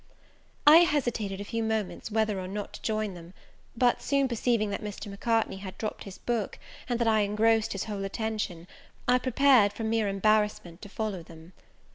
I hesitated a few moments whether or not to join them; but, soon perceiving that Mr. Macartney had dropped his book, and that I engrossed his whole attention, I prepared, from mere embarrassment, to follow them.